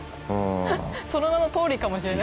その名の通りかもしれない。